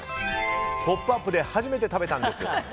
「ポップＵＰ！」で初めて食べたんです。